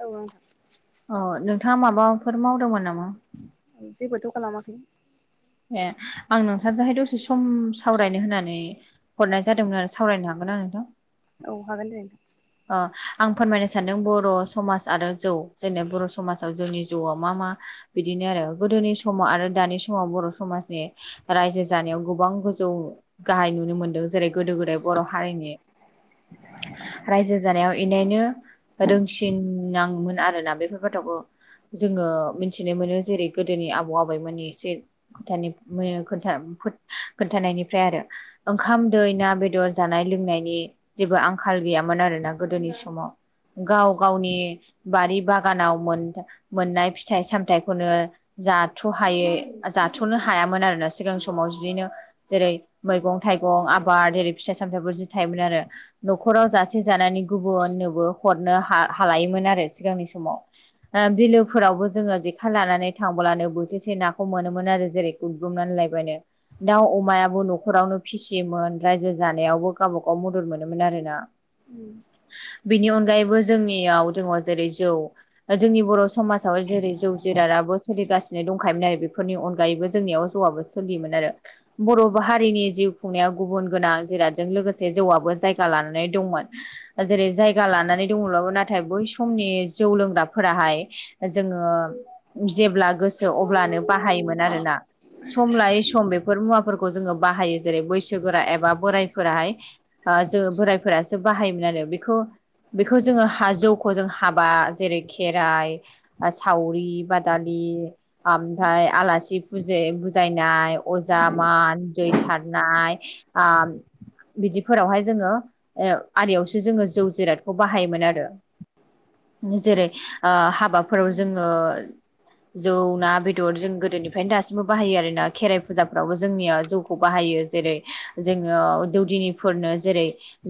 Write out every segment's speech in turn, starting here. औ नोंथां। अ नोंथाङा माबाफोर मावदोंमोन नामा? जेबोथ' खालामाखै। ए आं नोंथांजोंहाय दसे सम सावरायनो होननानै हरनाय जादोंमोन आरो सावरायनो हागोनना नोंथां? औ हागोन दे नोंथां। ओ आं फोरमायनो सानदों बर' समाज आरो जौ। जेरै बर' समाजाव जोंनि जौआव मा मा बिदिनो आरो गोदोनि समाव आरो दानि समाव बर' समाजनि रायजो जानायाव गोबां गोजौ गाहाय नुनो मोनदों जेरै गोदो गोदाय बर' हारिनि [inaudible] रायजो जानायाव इनायनो रोंसिन नाङोमोन आरोना बेफोर गथ'खौ जोङो मिथिनो मोनो जेरै गोदोनि आबौ आबैमोनानि एसे [unintelligible] खोन्थानायनिफ्राय आरो ओंखाम दै ना बेदर जानाय लोंनायनि जेबो आंखाल गैया मोन आरोना गोदोनि समाव। गाव गावनि बारि बागानाव मोनथा मोननाय फिथाइ सामथायाइखौनो जाथ'हायै जाथ'नो हायामोन आरोना सिगां समाव जिनो जेरै मैगं-थाइगं आबाद ओरै फिथाइ-सामथायाइफोर जि थायोमोन आरो न'खराव जा से जानानै गुबुननोबो हरनो हा-हालायोमोन आरो सिगांनि समाव ओ बिलोफोरावबो जोङो जेखा लानानै थांब्लानो बोथिरसे नाखौ मोनोमोन आरो जेरै उदग्रुबनानै लायबायनो दाउ अमायाबो न'खरावनो फिसियोमोन रायजो जानायावबो गावबागाव मदद मोनोमोन आरो ना उम। बेनि अनगायैबो जोंनियाव [unintelligible] जेरै जौ जोंनि बर' समाज जेरै जौ जिरादाबो सोलिगासिनो दंखायोमोन आरो बेफोरनि अनगायैबो जोंनियाव जौआबो सोलियोमोन आरो बर' हारिनि जिउ खुंनायाव गुबुन गोनां जिरादजों लोगोसे जौआबो जायगा लानानै दंमोन। जेरै जायगा लानानै दङब्लाबो नाथाय बै समनि जौ लोंग्राफोराहाय जोङो जेब्ला गोसो अब्लानो बाहायोमोन आरोना सम लायै सम बेफोर मुवा फोरखौ जोङो बाहायो जेरै बैसोगोरा एबा बोरायफोराहाय जो बोरायफोरा बाहायोमोन आरो बेखौ बेखौ जोङो जौखौ जों हाबा जेरै खेराइ ओ सावरि बादालि ओमफ्राय आलासि फुजि बुजायनाय अजा मान दै सारनाय ओ बिदिफोरावहाय जोङो ओ आरियावसो जोङो जौ जिरादखौ बाहायोमोन आरो जेरै ओ हाबाफोराव जोङो जौना, बेदर जों गोदोनिफ्रायनो दासिमबो बाहायो आरोना खेराइ फुजाफ्रावबो जोंनिया जौ खौ बाहायो जेरै जोङो दौदिनिफोरनो जेरै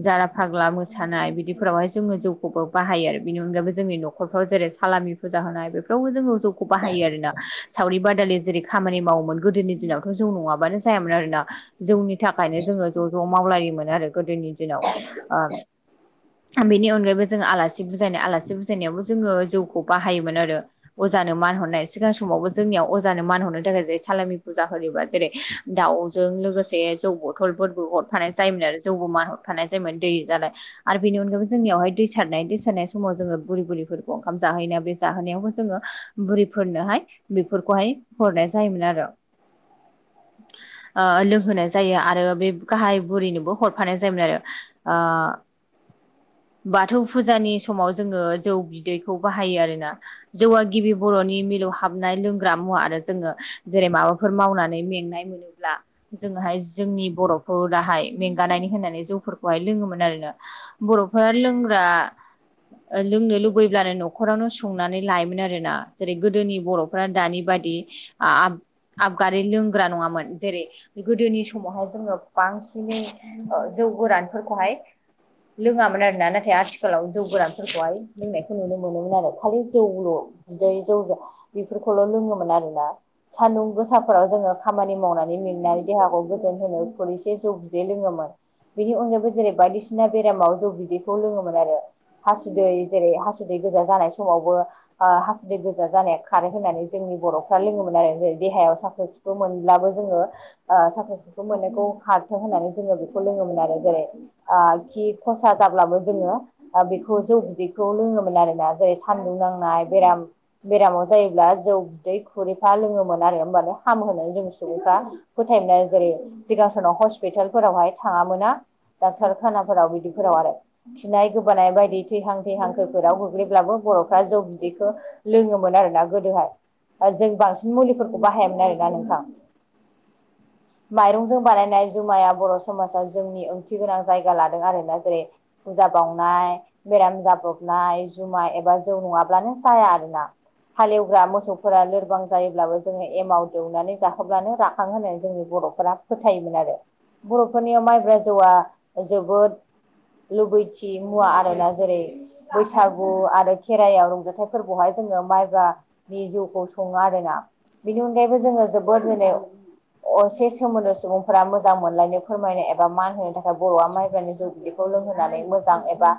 जारा फाग्ला मोसानाय बिदिफोरावहाय जोङो जौखौबो बाहायो आरो बिनि अनगायैबो जोंनि न'खरफ्राव जेरै सालामि फुजा होनाय बेफोरावबो जोङो जौखौ बाहायो आरोना सावरि बादालि जेरै खामानि मावोमोन गोदोनि दिनावथ' जौ नङाबानो जायामोन आरोना जौनि थाखायनो जोङो ज' ज' मावलायोमोन आरो गोदोनि दिनाव बेनि अनगायैबो जो आलासि बुजायनाय आलासि बुजायनायावबो जोङो जौखौ बाहायोमोन आरो अजानो मान हरनाय सिगां समावबो जोंनियाव अजानो मान हरनो थाखाय जेरै सालामि फुजा होयोबा जेरै दावजों लोगोसे जौ बथलफोरबो हरफानाय जायोमोन आरो जौबो मान हरफानाय जायोमोन दै जालाय आरो बेनि अनगायैबो जोंनियावहाय दै सारनाय दै सारनाय समाव जोङो बुरै बुरैफोरखौ ओंखाम जाहोननाय बे जाहोनायावबो जोङो बुरिफोरनोहाय बेफोरखौहाय हरनाय जायोमोन आरो ओ लोंहोनाय जायो आरो बे गाहाय बुरैनोबो हरफानाय जायोमोन आरो आ बाथौ फुजानि समाव जोङो जौ बिदैखौ बाहायो आरोना जौआ गिबि बर'नि मिलौ हाबनाय लोंग्रा मुवा आरो जोङो जेरै माबाफोर मावनानै मेंनाय मो नोब्ला जोङोहाय जोंनि बर'फोर दाहाय मेंगानायनि होननानै जौफोरखौ बेवहाय लोङोमोन आरोना बर'फ्रा लोंग्रा लोंनो लुबैब्लानो न'खरावनो संनानै लायोमोन आरो ना जेरै गोदोनि बर' फ्रा दानि बायदि आ आबगारि लोंग्रा नङामोन जेरै गोदोनि समावहाय जोङो बांसिनै जौ गोरानफोरखौहाय लोङामोन आरोना नाथाय आथिखालाव जौ गोरानफोरखौहाय लोंनायखौ नुनो मोनोमोन आरो खालि जौल' बिदै जौजा बेफोरखौल' लोङोमोन आरोोना सान्दुं गोसाफोराव जोङो खामानि मावनानै मेंनानै देहाखौ गोदोन होनो फुर एसे जौ बिदै लोङोमोन बेनि अनायै बायदिसि बे ज बिखौ ल आरो हुदै जेरै हा जुदै गोजा जानाय समावबो ओ हासुदै गोजा जानाया खार होननानै जोंनि बर'फ्रा लोङोमोन आरो देहायाव साखोनोन मोनब्लाबो जोङो ओ साख्रि सुख्रि मोननायखौ हारथों होननानै जोङो बेखौ लोङोमोन आरो जेरै खि खसा जाब्लाबो जोङो द बेखौ जौ बिदैखौ लोङोमोन आरोोना जेरै सान्दुं नांनाय बेराम बेरामाव जायोब्ला जौ बिदै खुरैफ्रा लोङोमोन आरो होमबानो हामहोनाय रों सुबुंफ्रा फोथायोमा जेरै सिगां समनाव हस्पिटालफोरावहाय थाङामोना। उम डाक्टर खानाफोराव बिदिफोराव आरो। खिनाय गोबानाय बायदि थैहां थैहांखोफोराव गोग्लैब्लाबो बर'फ्रा जौ बिदैखौ लोङोमोन आरोोना गोदोहाय जों बांसिन मुलिफोरखौ बाहायोमोन आरोोना नोंथां माइरंजों बानायनाय जुमाया बर' समाजाव जोंनि ओ ओंथि गोनां जायगा लादों आरोना जेरै फुजा बावनाय बेराम जाब्रबनाय जुमाय एबा जौ नङाब्लानो जाया आरोना हालेवग्रा मोसौफोरा लोरबां जायोब्लाबो जोङो एमाव दौनानै जाहोब्लानो राखां होननानै जोंनि बर' फोर फोथायोमोन आरो बर'फोरनियाव माइब्रा जौआ जोबोद लुबैथि मुवा आरोना जेरै बैसागु आरो खेराइायाव रंजाथाइ फोरबोआवहाय जोङो माइब्रा नि जिउखौ सङो आरोना बेनि अनगायैबो जोङो जोबोद जेने असे सोमोन्दो सुबुंफोरा मोजां मोनलायनो फोरमायनाय एबा मा होनो थाखाय बर'आ माइब्रानि जौ बिदैखौ लोंहोनानै मोजां एबा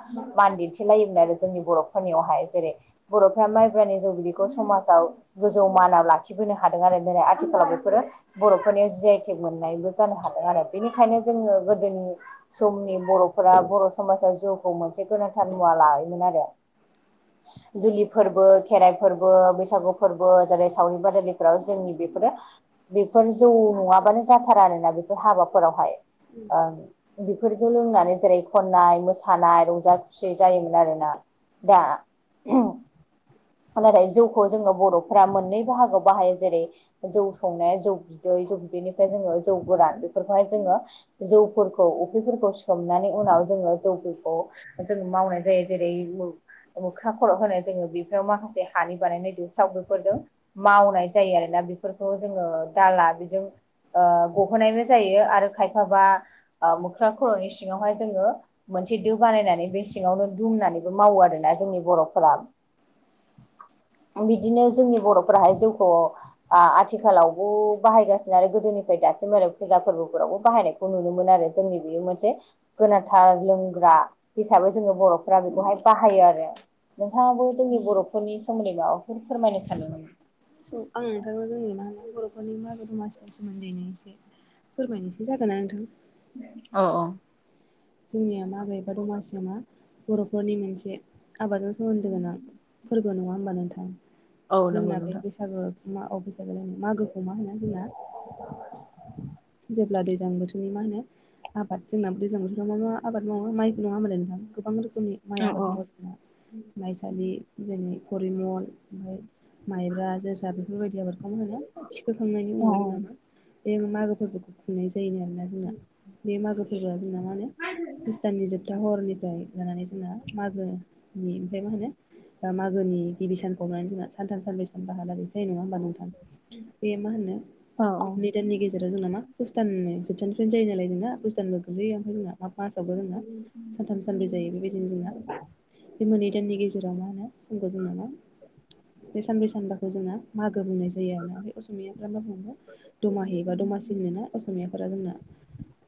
मान दिन्थिलायोमोन आरो जोंनि बर' फोरनियावहाय जेरै बर'फ्रा माइब्रानि जौगददिखौ समाजाव गोजौ मानाव लाखिबोनो हादों आरो दिनै आथिखालाव बेफोरो बर'फोरनियाव जि आइटिक मोननायबो जानो हादों आरो बेनिखायनो जोङो गोदोनि समनि बर'फोरा बर' समाजाव जिउखौ मोनसे गोनांथार मुवा लायोमोन आरो जुलि फोरबो खेराइ फोरबो बैसागु फोरबो जेरै सावरि बादालिफोराव जोंनि बेफोरो बेफोर जौ नङाबानो जाथारा आरोना बेफोर हाबाफोरावहाय बेफोरखौ लोंनानै जेरै खननाय मोसानाय रंजा खुसि जायोमोन आरोना। दा नाथाय जौखौ जोङो बर'फ्रा मोननै बाहागोआव बाहायो जेरै जौ संनाया जौ बिदै जौ बिदैनिफ्राय जोङो जौ गोरान बेफोरखौहाय जोङो जौफोरखौ उफ्रिफोरखौ सोमनानै उनाव जोङो जौफोरखौ जोंङो मावनाय जायो जेरै मोख्रां खर' होनाय जोङो बेफोराव माखासे हानि बानायनायदो सावदोफोरजों मावनाय जायो आरोोना बेफोरखौ जोङो दाला बेजों गहोनायबो जायो आरो खायफाबा मोख्रा खर'नि सिङावहाय जोङो मोनसे दो बानायनानै बे सिङावनो दुमनानैबो मावो आरोोना जोंनि बर'फोरा बिदिनो जोंनि बर'फोराहाय जिउखौ आथिखालाव बाहायगासिनो आरो गोदोनिफ्राय दासिम आरो फुजा फोरबोफोरावबो बाहायनायखौ नुनो मोन आरो जोंनि बेयो मोनसे गोनांथार लोंग्रा हिसाबै जोङो बर'फ्रा बेखौहाय बाहायो आरो नोंथाङाबो जोंनि बर'फोरनि सोमोन्दै माबाफोर फोरमायनो सानमोन स आं नोंथ' जो बर'फोरनि मागो दमसिनि सोमोन्दैनो एसे फोरमायनोसै जागोनना नोंथां औ औ जोंनिया मागैबा दमासिया मा बर'फोरनि मोनसे आबादजों सोमोन्दो गोनां फोरबो नङा होमबा नोंथां औ जोंना बे बैसागो म बैसागो जनो मागो मा होनो जोंहा जेब्ला दैजां बोथोरनि मा होनो आबाद जोंनाो दैज्लां बोरथब मा मा आबाद मावो माइ नङा होनालाय नोंथां गोबां रोखनि म आबाद मावा जों माइसालि जोंनि कररिमल ओमफ्राय माइब्रा जोसा बेफोरबायदि आफोरखौनो होनो थिखोखांनायनि औ उनाव जोंना मा बे मागो फोरबोखौ खुंनाय जायोन आरोना जोंना बे मागो फआ जोंना म होने भुस्टाननि जोबथा हरनिफ्राय लानानै जोंना मागोनि ओमफ्राय मा होनो बा मागोनि गिबि सानखौ जोंना सानथाम, सानब्रै सानबाहालागै जायो नङा औ नोंथां। बे मा होनो औ [unintelligible] [unintelligible] मासावबो जोंना सानथाम सानब्रै जायो बेबायदिनो जोंना बे मोनै दाननि गेजेराव मा होनो समखौ [unintelligible] बे सानब्रै सानबाखौ जोङो मागो बुंनाय जायो आरोा मफ्राय असमियाफ्र मा बुंङो। दमाहि ए बा दमासि होनोना असमियाफोरा जोंना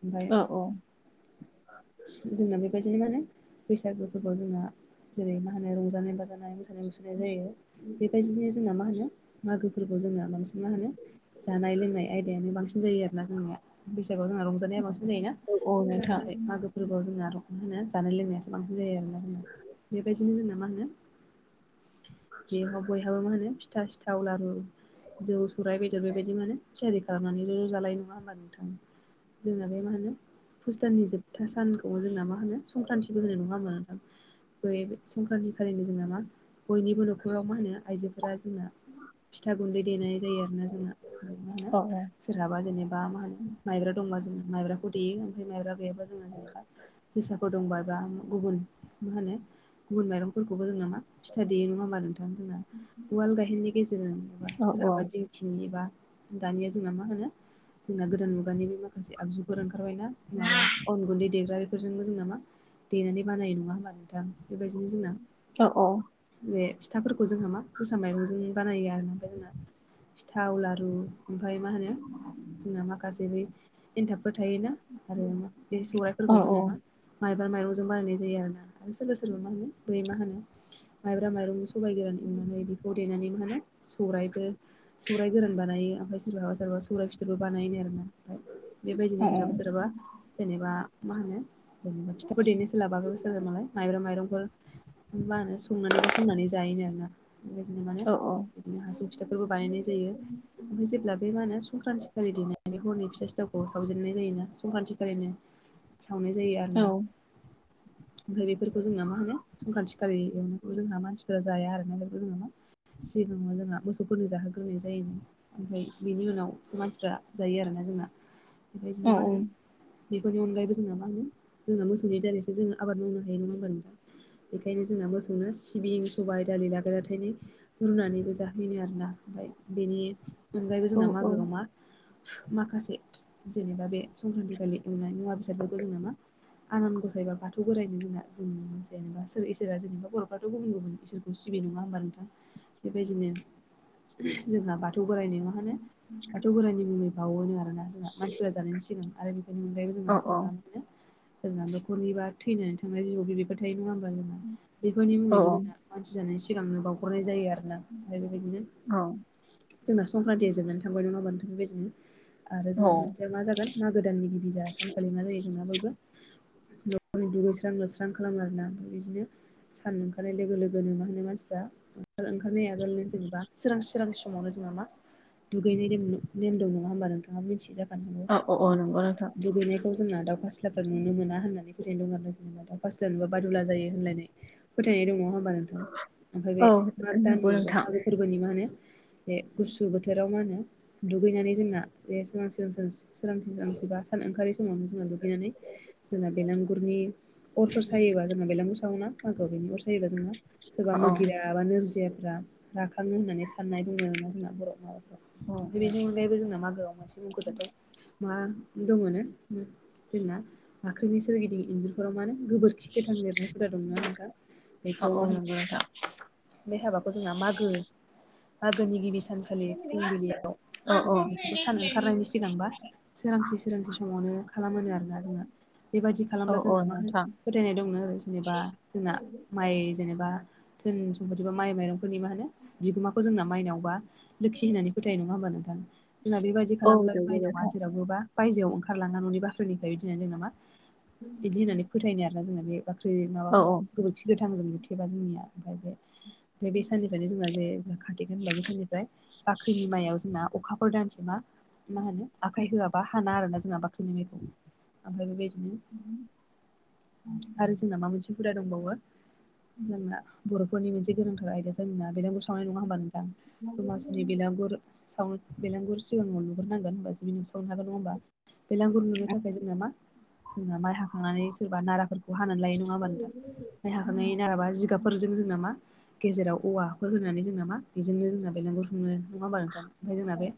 ओमफ्राय औ जोंना बेबायदिनो मा होनो बैसागो फोरबोआव जोंना जेरै मा होनो रंजानाय बाजानाय सानाय मुसुरनाय जायो बेबायदिनो जोंना मा होनो मागोफोरखौ जोंना बांसिन मा होनो जानाय लोंनाय आयदायानो बांसिन जायो आरोना जोंनिया बैसागुआव जोंना रंजानाया बांसिन जायोना। औ नोंथां नाथाय मागो फोरबोआव जोंना दख'ना होनो जानाय लोंनायासो बांसिन जायो आरो होन बेबायदिनो जोंना मा होनो बेयाव बयहाबो मा होनो फिथा सिथाव लारु जौ, सौरायाइ, बेदर बेबायदि माने थियारि खालामनानैल'' जालानाय नङा होनबा नोंथां। जोंना बे मा होनो भुस्ताननि जोबथा सानखौ जोंना मा होनो संक्रान्तथिबो होनाय नङा होनबा‌ बे संक्रान्ति खालिनो जोंना मा बयनिबो न'खराव मा होनो आइजोफोरा जोंना फिथा गुन्दै देनाय जायो आरो ना जोंना ज मा होनो औ सोरहाबा जेनेबा मा होनो माइब्रा दंबा जों माइब्राखौ देयो माइब्रा गैयाबा जोङो जेनेबा जोसाफोर दंबा जा गुबुन मा होनो गुबुन माइरंफोरखौबो जों मां फिथा देयो नङा होमबा नोंथां। जोंना उवाल गाहेननि गेजेरजों एबा औ औ सोरहाबादि फिनिनि बा दानिया जोंना मा होनो जोंना गोदान मुगानि बे माखासे आगजुफोर ओंखारबाय न माबा अन गुन्दै देग्रा बेफोरजोंबो जों नामा देनानै बानायो नङा होमबा नोंथां। बेबायदिनो जोंना‌ औ बे फिथाफोरखौ जोंहा मा जोसा माइरंजों बानायो आरो ओमफ्राय जोंना सिथाव लारु ओमफ्राय मा होनो जोंना माखासे बै एन्थाबफोर थायोना आरो बे औ सौराइफोरखौ जोहा माइब्रा माइरंजों बानायनाय जायो आरोना। आरो सोरबा सोरबा मा होनो बै मा होनो माइब्रा माइरं सबायाइ गोरान एवनानै बेखौ देनानै मा होनो सौरायबो सौराय गोरान बानायो ओमफ्राय सोरबाबा सोरबा सौरायाइ फिथाबो बानायोनो आरोना आ ओमफ्राय औ बेबायदिनो सोरहाबा सोरहाबा जेनेबा मा होनो जेनेबा फिथाफोर देनो सोलाबा [unintelligible] माइब्रा माइरंफोर मा होनो संनानै बा हमनानै जायोनो आरोना। बेबायदिनो माने बिदिनो हारसिं फिथाफोरबो बानायनाय जायो ओमफ्राय जेब्ला बे मा होनो संक्रान्ति सोलिदि हरनि फिसा सिथावखौ सावजेननाय जायोना संक्रानति खालिनो सावनाय जायो आरोना ओमफ्राय बेफोरखौ जोंना मा होनो संक्रान्ति जोंहा मानसिफोरा जाया आरोना बेखौ जोङो सिगाङाव जोंहा मोसौफोरनो जाहोग्रोनाय जायोमोन ओमफ्राय बेनि उनावसो मानसिफ्रा जायो आरोना जोंना ओमफ्राय बिदिनो मा होनो बेफोरनि अनगायैबो जोंना मा होनो जों मोसौनि दारैसो जोङो आबाद मावनो हायो नङा होनबा नोंथां। बेखायनो जोंना मोसौनो सिबिं सबाय दालि लागाय लाथायनो रुनानैबो जाहैनो आरोना ओमफ्राय बेनि अनगायैबो जोंना मागोआव मा माखासे जेनेबा बे संक्रान्तिखालि एवनाय मुवा बेसादफोरखौ जों नामा आनान गसायबा बाथौ बोरायनो जोंना जोंनि मोनसे जेनेबा सोर इसोरा जेनेबा बर'फ्राथ' गुबुन गुबुन इसोर सिबिनाय नङा होमबा नोंथां बेबायदिनो जोंहा बाथौ बोराय नङा मा होनो बाथौ बोराइनि मुङै बावोनो आरोना जोंहा मानसिफोरा जानायनि सिगां आरो बेफोरनि अनगायैबो जोहा सोरबा जोंना न'खरनि बा थैनानै थांनाय जिबआव बि बेफोर थायो नङा होमबा जों बेफोरनि मुङैबो जोंना मानसि जानाय सिगांनो बावहरनाय जायो आरो ओमफ्राय बेबायदिनो जोंना संक्रान्तिया जोबनानै थांबाय नङा होनबा नोथां बेबायदिनो आरो औ जोंना बिदिया मा जागोन मागो दाननि गिबि जा सानखाालि मा जायो जोंना बयबो न'खरनि दुगैस्रां लोबस्रां खालामो आरोना ओमफ्राय बिदिनो सान ओंखारनाय लोगो लोगोनो मा होनो मानसिफ्रा ओंखारनाय आगोल जेनेबा सोरांस्रि सोरांस्रि समावनो जोंहा मा दुगैनाय रेम नेम दं नङा होमबा नोंथाङा मिथियो जाखानो हांगौ। औ औ जों नंगौ नोंथां दुगैनायखौ जोंना दाउ खास्लाफ्रा नुनो मो होननानै फोथायनाय दं आरो जेनेबा अखा बिजानानै बादुला जायो होनलायनायनै फोथायनाय दङ होनोमबा नोंथांा ओमफाय बे औ माग नंगौ दानि ऐसा नोंथां मागोफोरखौ गुबोननि मा होनो बे गुसु बोथोराव मा होनो दुगैनानै जोंना बे सिगां सिगां स [unintelligible] सोरांसि सोरांसि बा सान ओंखारि समावनो जोङो दुगैनानै जोंना बेलागुरनि अरफोर सायोबा जोङो बेलागुर सावोना मागोआव बेनि अर सायोबा जोंङो सोरबा औ मोगि औ जाया माबा नोरजियाफ्रा राखांङो होननानै साननाय दुङो आरोना जोंना बर' [unintelligible] ओमफ्रायबो जोंना मागोआव मोनसे मुंख'जाथाव मा दंङोनो जोंना बाख्रिनि सोरगिदिं इन्जुरफोराव मानो गोबोर खि गोथां लिरनायफोरा दंना नोंथां औ बेखौ मा औ होनो नंगौ नोंथां बे हाबाखौ जोंना मागो मागोनि गिबि सानखालि फुंबिलियाव औ जोंहा औ बेखौबो सानो ओंखारनायनि सिगांबा सोरांसि सोरांसि समावनो खालामो आरोना जोंङो। बेबायदि खालामब्ला औ औ जोंना मा होनो नोंथां फोथायनाय दंनो जेनेबा जोंना माइ जेनेबा धोन सम्पति बा माइ माइरंफोरनि मा होनो बिगोमाखौ जोंना माइनावबा लोखि होननानै फोथायो नंङा होमबा नोंथां जोंना बेबायदि औ खालामब्लाथाय नंगौ नोंथां बा बायजोआव ओंखारलाङा न'नि बाख्रिनिफ्राय बिदिनो जों मा बिदि होननानै फोथायनाय आरो ना जोंनि बे बाख्रि औ माबाखौ गोबोरखि गोथां जों थेबा जोंनिया ओमफ्राय बे बे बे साननिफ्रायनो जोंना जे [unintelligible] थिग बे साननिफ्राय होनबा बे साननिफ्राय बाख्रिनि माइयाव जोंना अखाफोर दानसै मा मा होनो आखाइ होआबा हाना आरोना जोंहा बाख्रिनि माइखौ ओमफ्राय बेबायदिनो [inaudible] आरो जोंना मा मोनसे हुदा दंबावो जोंना बर'फोरनि मोनसे गोनोंथार आयदा जोंनिना बेलागुर सावनाय नंङा होमबा नों थां दमासिनि बेलागुर साव बेलागुर सिगांङाव लुग्रोनांगोन होमबासो सावनो हागोन होनबा बेलांगुर लुनो थाखाय जों [unintelligible] जोंना मा जोंना माइ हाखांनानै सोरबा नाराफोरखौ हानानै लायो नंङा होनोमा नोंथां? औ माइ हाखांनाय नाराबा जिगाबफोरजों जोंना मा गेजेराव औवाफोर होनानै जोंना मा बेजोंनो जोंना बेलागुर खुंनो नंङा होमबा नोंथां? ओमफ्राय जोंना बे